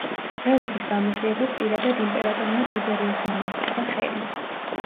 მკვლელობის გამოძიებას პირადად იმპერატორმა ტიბერიუსმა მოჰკიდა ხელი.